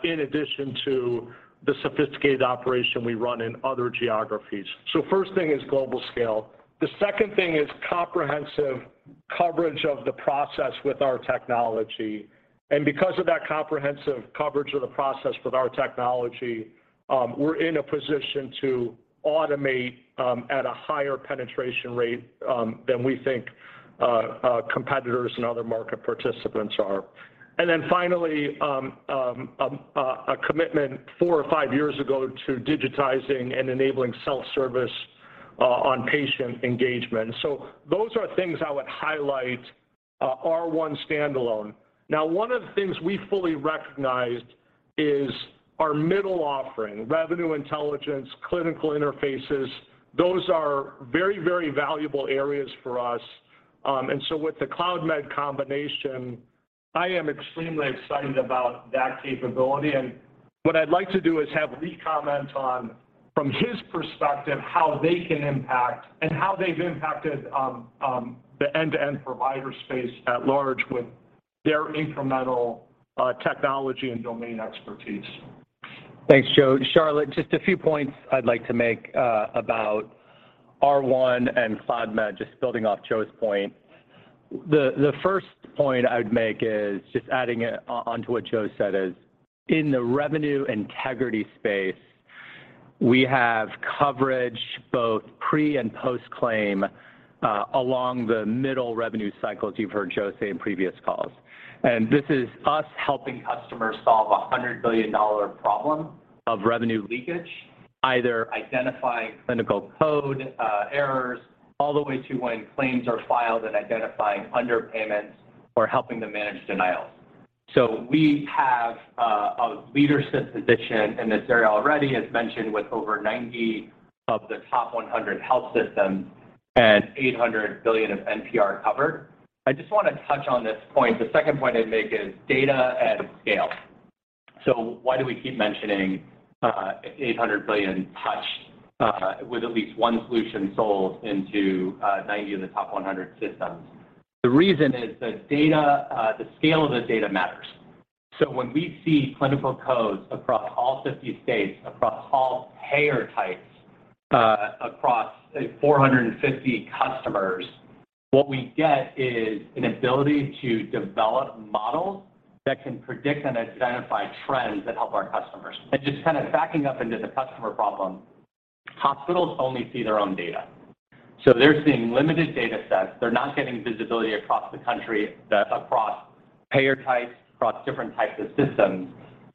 in addition to the sophisticated operation we run in other geographies. First thing is global scale. The second thing is comprehensive coverage of the process with our technology. Because of that comprehensive coverage of the process with our technology, we're in a position to automate at a higher penetration rate than we think competitors and other market participants are. Finally, a commitment four or five years ago to digitizing and enabling self-service on patient engagement. Those are things I would highlight, R1 standalone. Now one of the things we fully recognized is our middle offering, Revenue Intelligence, clinical interfaces. Those are very, very valuable areas for us. With the Cloudmed combination, I am extremely excited about that capability. What I'd like to do is have Lee comment on, from his perspective, how they can impact and how they've impacted, the end-to-end provider space at large with their incremental, technology and domain expertise. Thanks, Joe. Charlotte, just a few points I'd like to make about R1 and Cloudmed, just building off Joe's point. The first point I would make is just adding onto what Joe said is in the revenue integrity space, we have coverage both pre- and post-claim along the middle Revenue Cycle, as you've heard Joe say in previous calls. This is us helping customers solve a $100 billion problem of revenue leakage, either identifying clinical code errors all the way to when claims are filed and identifying underpayments or helping them manage denials. We have a leadership position in this area already, as mentioned, with over 90 of the top 100 health systems and $800 billion of NPR covered. I just want to touch on this point. The second point I'd make is data at scale. Why do we keep mentioning $800 billion touched with at least one solution sold into 90 of the top 100 systems? The reason is the data, the scale of the data matters. When we see clinical codes across all 50 states, across all payer types, across 450 customers, what we get is an ability to develop models that can predict and identify trends that help our customers. Just kind of backing up into the customer problem, hospitals only see their own data. They're seeing limited data sets. They're not getting visibility across the country, across payer types, across different types of systems.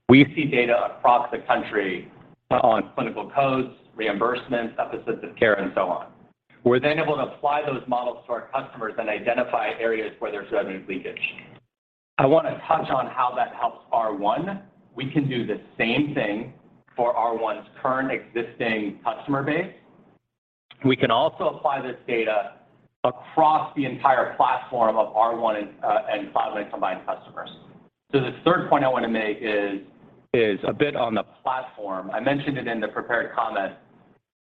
We see data across the country on clinical codes, reimbursements, episodes of care, and so on. We're then able to apply those models to our customers and identify areas where there's revenue leakage. I want to touch on how that helps R1. We can do the same thing for R1's current existing customer base. We can also apply this data across the entire platform of R1 and Cloudmed combined customers. The third point I want to make is a bit on the platform. I mentioned it in the prepared comments,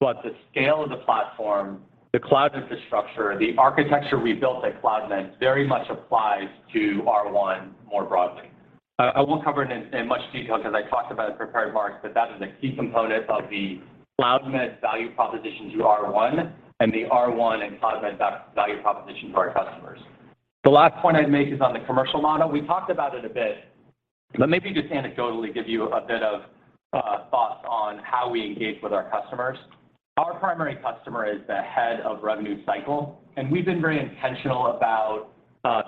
but the scale of the platform, the cloud infrastructure, the architecture we built at Cloudmed very much applies to R1 more broadly. I won't cover it in much detail because I talked about it in prepared remarks, but that is a key component of the Cloudmed value proposition to R1 and the R1 and Cloudmed value proposition to our customers. The last point I'd make is on the commercial model. We talked about it a bit, but maybe just anecdotally give you a bit of thoughts on how we engage with our customers. Our primary customer is the head of Revenue Cycle, and we've been very intentional about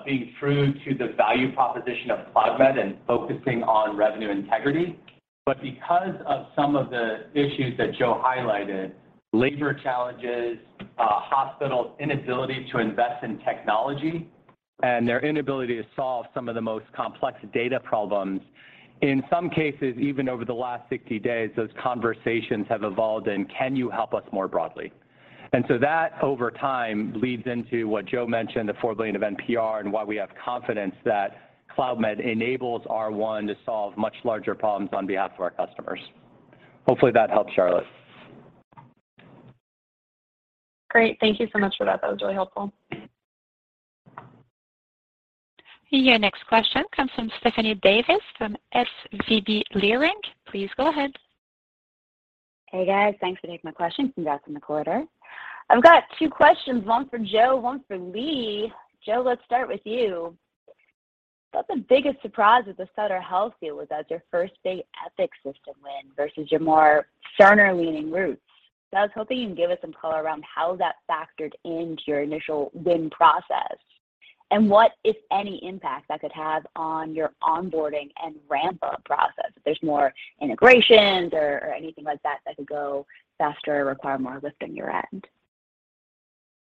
being true to the value proposition of Cloudmed and focusing on revenue integrity. Because of some of the issues that Joe highlighted, labor challenges, hospitals' inability to invest in technology, and their inability to solve some of the most complex data problems, in some cases, even over the last 60 days, those conversations have evolved into, "Can you help us more broadly?" That, over time, leads into what Joe mentioned, the $4 billion of NPR and why we have confidence that Cloudmed enables R1 to solve much larger problems on behalf of our customers. Hopefully that helps, Charlotte. Great. Thank you so much for that. That was really helpful. Your next question comes from Stephanie Davis from SVB Leerink. Please go ahead. Hey, guys. Thanks for taking my question. Congrats on the quarter. I've got two questions, one for Joe, one for Lee. Joe, let's start with you. I thought the biggest surprise of the Sutter Health deal was that it's your first big Epic system win versus your more Cerner-leaning roots. I was hoping you can give us some color around how that factored into your initial win process and what, if any, impact that could have on your onboarding and ramp-up process. If there's more integrations or anything like that that could go faster or require more lift on your end.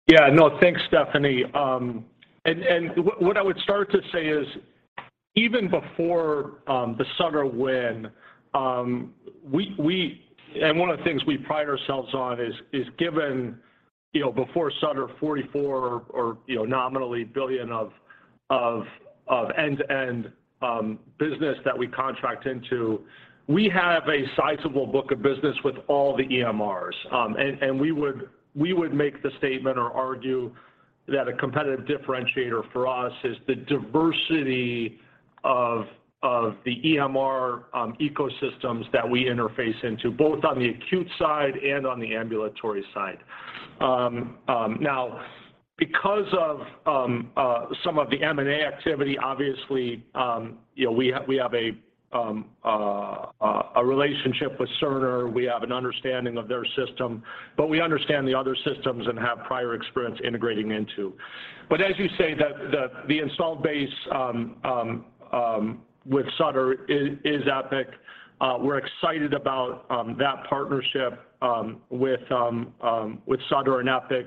Yeah, no, thanks, Stephanie. What I would start to say is even before the Sutter win, one of the things we pride ourselves on is given, you know, before Sutter $44 billion or, you know, nominally $44 billion of end-to-end business that we contract into, we have a sizable book of business with all the EMRs. We would make the statement or argue that a competitive differentiator for us is the diversity of the EMR ecosystems that we interface into, both on the acute side and on the ambulatory side. Now because of some of the M&A activity, obviously, you know, we have a relationship with Cerner. We have an understanding of their system, but we understand the other systems and have prior experience integrating into. As you say that the installed base with Sutter is Epic. We're excited about that partnership with Sutter and Epic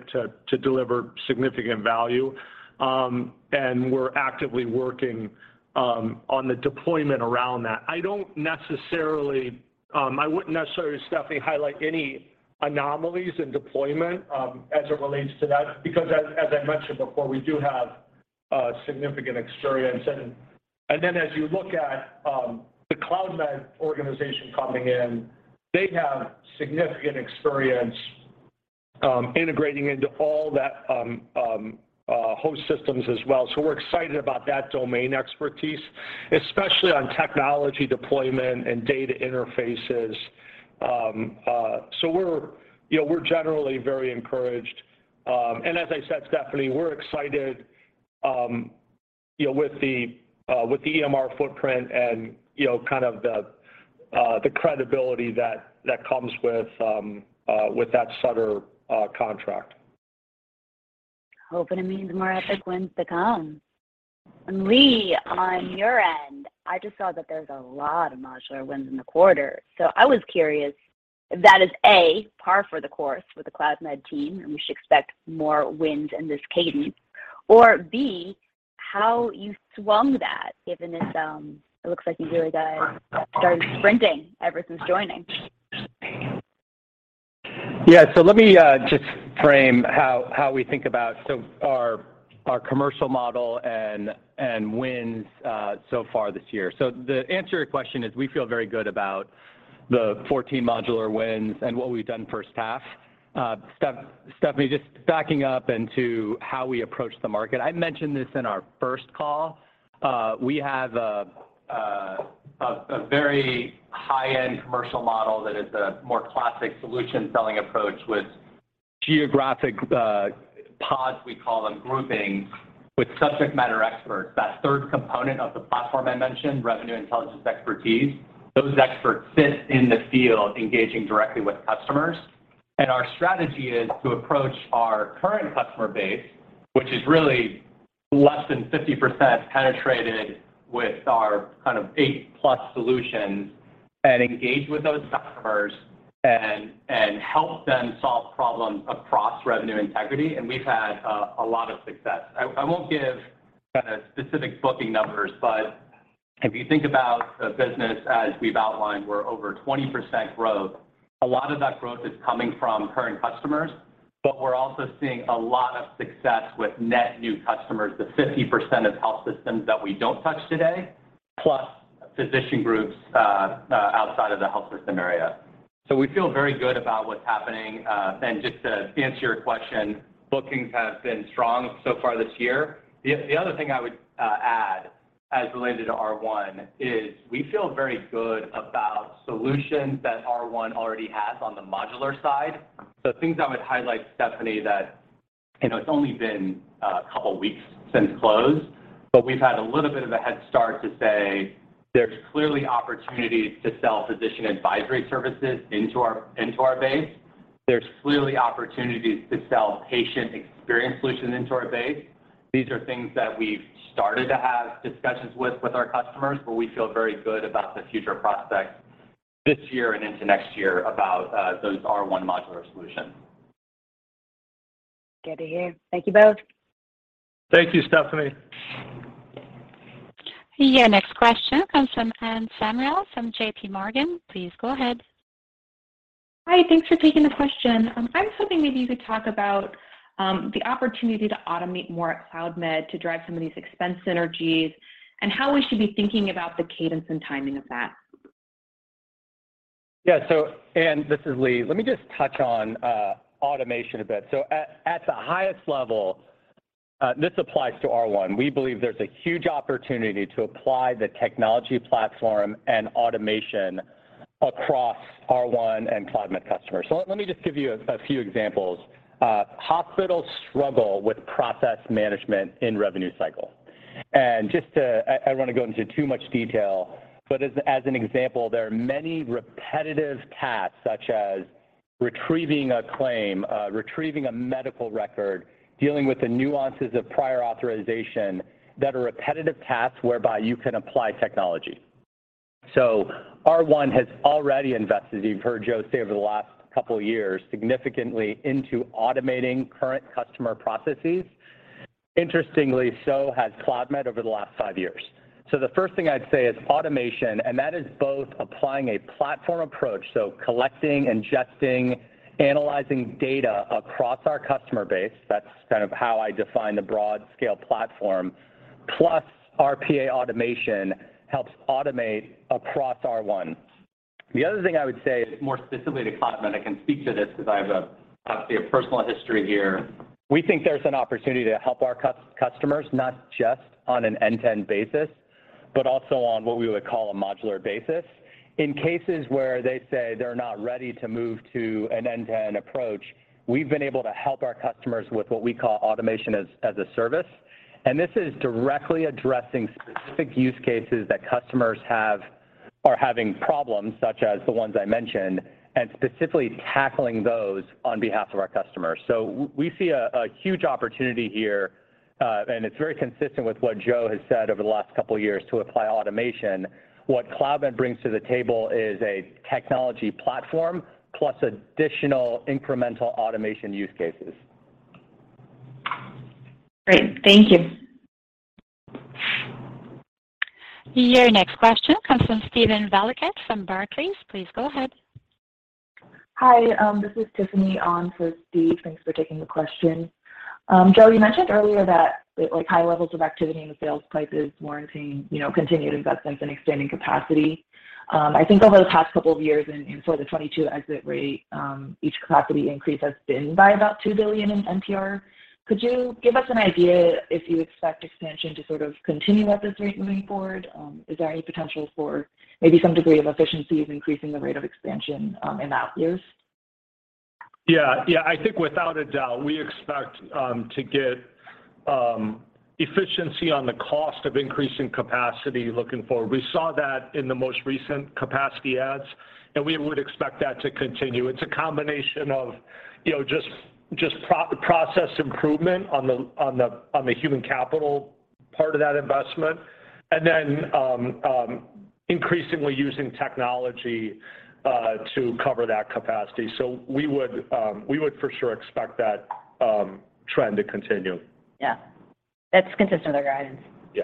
to deliver significant value. We're actively working on the deployment around that. I wouldn't necessarily, Stephanie, highlight any anomalies in deployment as it relates to that because as I mentioned before, we do have significant experience. As you look at the Cloudmed organization coming in, they have significant experience integrating into all that host systems as well. We're excited about that domain expertise, especially on technology deployment and data interfaces. We're, you know, generally very encouraged. As I said, Stephanie, we're excited, you know, with the EMR footprint and, you know, kind of the credibility that comes with that Sutter contract. Hoping it means more Epic wins to come. Lee, on your end, I just saw that there's a lot of modular wins in the quarter. I was curious if that is A, par for the course for the Cloudmed team, and we should expect more wins in this cadence, or B, how you swung that given this, it looks like you really got started sprinting ever since joining. Let me just frame how we think about our commercial model and wins so far this year. To answer your question, we feel very good about the 14 modular wins and what we've done first half. Stephanie, just backing up into how we approach the market. I mentioned this in our first call. We have a very high-end commercial model that is a more classic solution selling approach with geographic pods, we call them, groupings with subject matter experts. That third component of the platform I mentioned, Revenue Intelligence expertise, those experts sit in the field engaging directly with customers. Our strategy is to approach our current customer base, which is really less than 50% penetrated with our kind of 8+ solutions, and engage with those customers and help them solve problems across Revenue Integrity, and we've had a lot of success. I won't give kind of specific booking numbers, but if you think about the business as we've outlined, we're over 20% growth. A lot of that growth is coming from current customers, but we're also seeing a lot of success with net new customers, the 50% of health systems that we don't touch today, plus physician groups outside of the health system area. We feel very good about what's happening. Just to answer your question, bookings have been strong so far this year. The other thing I would add as related to R1 is we feel very good about solutions that R1 already has on the modular side. Things I would highlight, Stephanie, that, you know, it's only been a couple weeks since close, but we've had a little bit of a head start to say there's clearly opportunities to sell Physician Advisory Services into our base. There's clearly opportunities to sell patient experience solutions into our base. These are things that we've started to have discussions with our customers, but we feel very good about the future prospects this year and into next year about those R1 modular solutions. Good to hear. Thank you both. Thank you, Stephanie. Your next question comes from Anne Samuel from J.P. Morgan. Please go ahead. Hi. Thanks for taking the question. I was hoping maybe you could talk about the opportunity to automate more at Cloudmed to drive some of these expense synergies and how we should be thinking about the cadence and timing of that. Yeah. Anne, this is Lee. Let me just touch on automation a bit. At the highest level, this applies to R1. We believe there's a huge opportunity to apply the technology platform and automation across R1 and Cloudmed customers. Let me just give you a few examples. Hospitals struggle with process management in Revenue Cycle. I won't go into too much detail, but as an example, there are many repetitive tasks such as retrieving a claim, retrieving a medical record, dealing with the nuances of prior authorization that are repetitive tasks whereby you can apply technology. R1 has already invested, you've heard Joe say over the last couple years, significantly into automating current customer processes. Interestingly, so has Cloudmed over the last five years. The first thing I'd say is automation, and that is both applying a platform approach, so collecting, ingesting, analyzing data across our customer base. That's kind of how I define the broad scale platform. Plus RPA automation helps automate across R1. The other thing I would say more specifically to Cloudmed, I can speak to this because I have obviously a personal history here. We think there's an opportunity to help our customers not just on an end-to-end basis, but also on what we would call a modular basis. In cases where they say they're not ready to move to an end-to-end approach, we've been able to help our customers with what we call automation as a service. This is directly addressing specific use cases that customers have or having problems such as the ones I mentioned, and specifically tackling those on behalf of our customers. We see a huge opportunity here, and it's very consistent with what Joe has said over the last couple of years to apply automation. What Cloudmed brings to the table is a technology platform plus additional incremental automation use cases. Great. Thank you. Your next question comes from Steven Valiquette from Barclays. Please go ahead. Hi, this is Tiffany on for Steve. Thanks for taking the question. Joe, you mentioned earlier that like high levels of activity in the sales pipe is warranting, you know, continued investments in expanding capacity. I think over the past couple of years and for the 2022 exit rate, each capacity increase has been by about $2 billion in NPR. Could you give us an idea if you expect expansion to sort of continue at this rate moving forward? Is there any potential for maybe some degree of efficiency of increasing the rate of expansion in Out-years? Yeah. Yeah, I think without a doubt, we expect to get efficiency on the cost of increasing capacity looking forward. We saw that in the most recent capacity adds, and we would expect that to continue. It's a combination of, you know, just process improvement on the human capital part of that investment, and then increasingly using technology to cover that capacity. We would for sure expect that trend to continue. Yeah. That's consistent with our guidance. Yeah.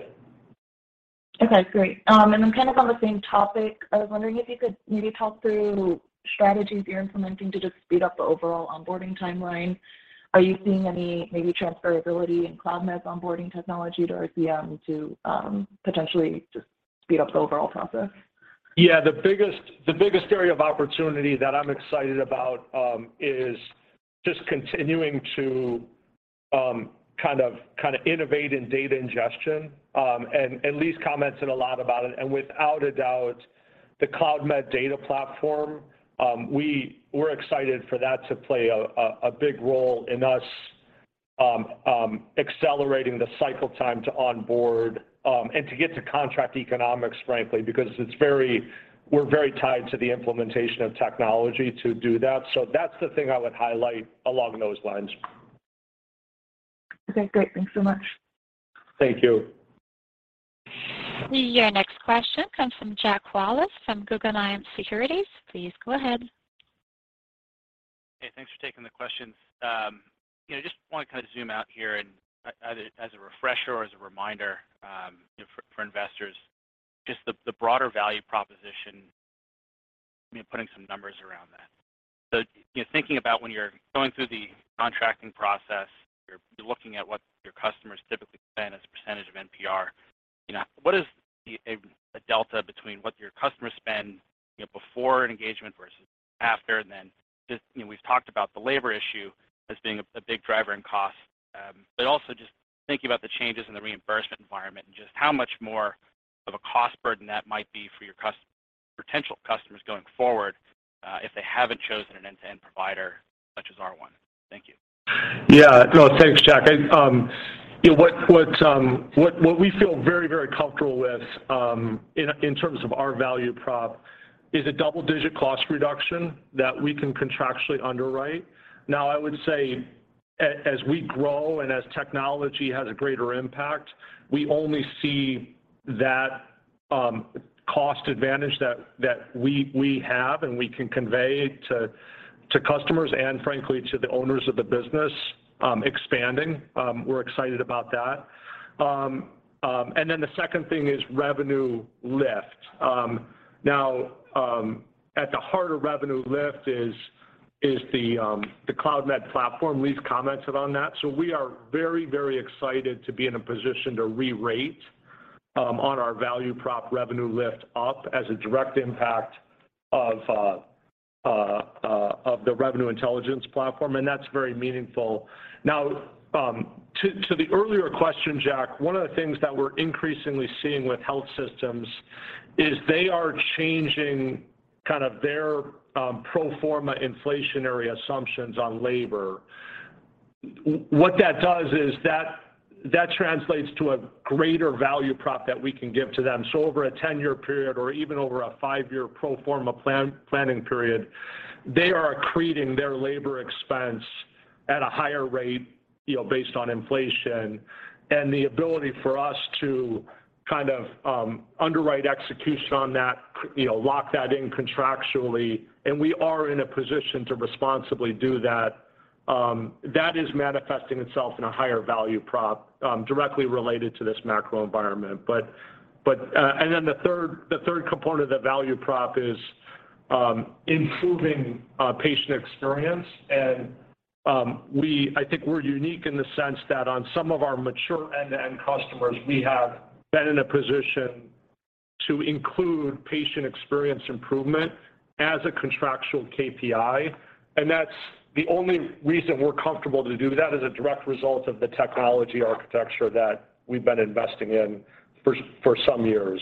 Okay, great. Kind of on the same topic, I was wondering if you could maybe talk through strategies you're implementing to just speed up the overall onboarding timeline. Are you seeing any maybe transferability in Cloudmed's onboarding technology to RCM to potentially just speed up the overall process? Yeah. The biggest area of opportunity that I'm excited about is just continuing to kind of innovate in data ingestion. And Lee's commented a lot about it, and without a doubt, the Cloudmed data platform, we're excited for that to play a big role in us accelerating the cycle time to onboard and to get to contract economics, frankly, because we're very tied to the implementation of technology to do that. That's the thing I would highlight along those lines. Okay, great. Thanks so much. Thank you. Your next question comes from Jack Wallace from Guggenheim Securities. Please go ahead. Hey, thanks for taking the questions. You know, just wanna kind of zoom out here and as a refresher or as a reminder, you know, for investors, just the broader value proposition, you know, putting some numbers around that. You know, thinking about when you're going through the contracting process, you're looking at what your customers typically spend as a percentage of NPR. You know, what is a delta between what your customers spend, you know, before an engagement versus after? Then just, you know, we've talked about the labor issue as being a big driver in cost. Just thinking about the changes in the reimbursement environment and just how much more of a cost burden that might be for your potential customers going forward, if they haven't chosen an end-to-end provider such as R1. Thank you. Yeah. No, thanks, Jack. You know, what we feel very comfortable with in terms of our value prop is a double-digit cost reduction that we can contractually underwrite. Now, I would say as we grow and as technology has a greater impact, we only see that cost advantage that we have and we can convey to customers and frankly to the owners of the business, expanding. We're excited about that. The second thing is revenue lift. Now, at the heart of revenue lift is the Cloudmed platform. Lee's commented on that. We are very, very excited to be in a position to re-rate on our value prop revenue lift up as a direct impact of the Revenue Intelligence platform, and that's very meaningful. Now, to the earlier question, Jack, one of the things that we're increasingly seeing with health systems is they are changing kind of their Pro-forma inflationary assumptions on labor. What that does is that translates to a greater value prop that we can give to them. Over a 10-year period or even over a five-year Pro-forma planning period, they are accreting their labor expense at a higher rate, you know, based on inflation. The ability for us to kind of underwrite execution on that, you know, lock that in contractually, and we are in a position to responsibly do that is manifesting itself in a higher value prop directly related to this macro environment. The third component of that value prop is improving patient experience and I think we're unique in the sense that on some of our mature end-to-end customers, we have been in a position to include patient experience improvement as a contractual KPI. That's the only reason we're comfortable to do that as a direct result of the technology architecture that we've been investing in for some years.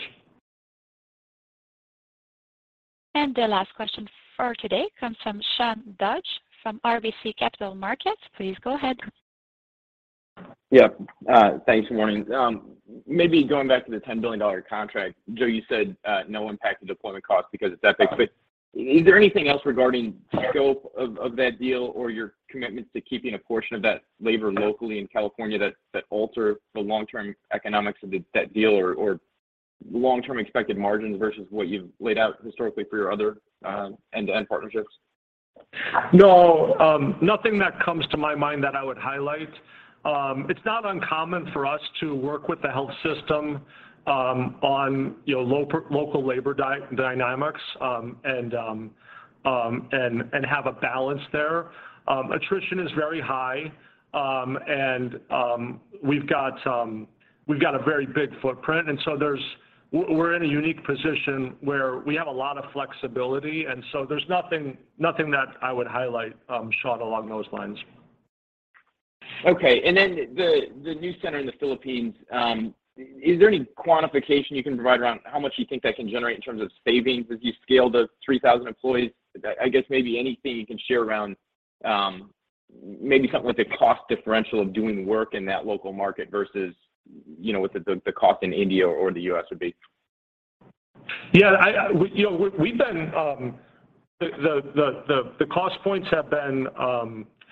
The last question for today comes from Sean Dodge from RBC Capital Markets. Please go ahead. Yeah. Thanks, morning. Maybe going back to the $10 billion contract. Joe, you said no impact to deployment costs because it's Epic. Is there anything else regarding scope of that deal or your commitments to keeping a portion of that labor locally in California that alter the long-term economics of that deal or long-term expected margins versus what you've laid out historically for your other end-to-end partnerships? No, nothing that comes to my mind that I would highlight. It's not uncommon for us to work with the health system, you know, on local labor dynamics, and have a balance there. Attrition is very high, and we've got a very big footprint, and so we're in a unique position where we have a lot of flexibility, and so there's nothing that I would highlight, Sean, along those lines. Okay. The new center in the Philippines, is there any quantification you can provide around how much you think that can generate in terms of savings as you scale to 3,000 employees? I guess maybe anything you can share around, maybe something like the cost differential of doing work in that local market versus, you know, what the cost in India or the U.S. would be. Yeah, we, you know, we've been, the cost points have been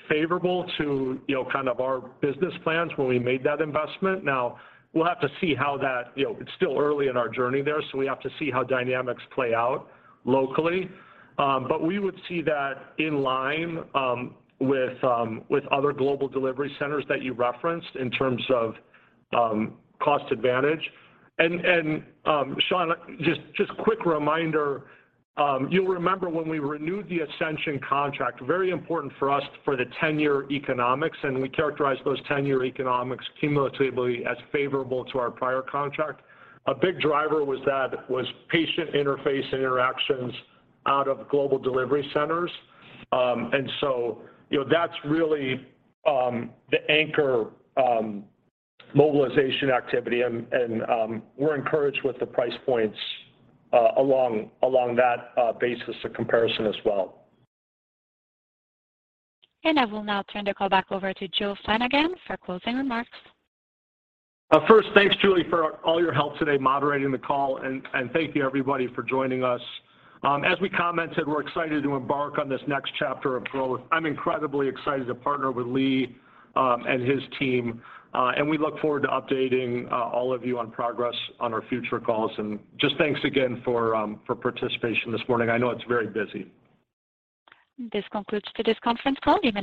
favorable to, you know, kind of our business plans when we made that investment. Now, we'll have to see how that, you know, it's still early in our journey there, so we have to see how dynamics play out locally. We would see that in line with other global delivery centers that you referenced in terms of cost advantage. Sean, just quick reminder, you'll remember when we renewed the Ascension contract, very important for us for the ten-year economics, and we characterized those ten-year economics cumulatively as favorable to our prior contract. A big driver was that, patient interface interactions out of global delivery centers. You know, that's really the anchor mobilization activity and we're encouraged with the price points along that basis of comparison as well. I will now turn the call back over to Joe Flanagan for closing remarks. First, thanks, Julie, for all your help today moderating the call, and thank you, everybody, for joining us. As we commented, we're excited to embark on this next chapter of growth. I'm incredibly excited to partner with Lee and his team, and we look forward to updating all of you on progress on our future calls. Just thanks again for participation this morning. I know it's very busy. This concludes today's conference call. You may now—